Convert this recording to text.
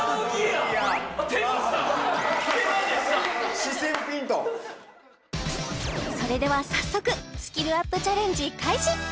姿勢もピーンとそれでは早速スキルアップチャレンジ開始